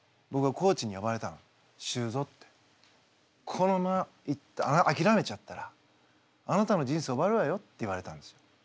「このままあきらめちゃったらあなたの人生終わるわよ」って言われたんですよ。